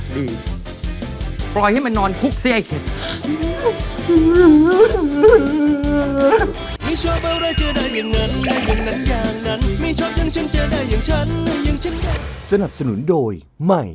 พี่กำลังจ้า